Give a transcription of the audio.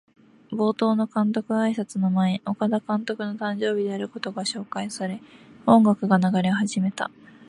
冒頭の監督あいさつの前、岡田監督の誕生日であることが紹介され、音楽が流れ始めた。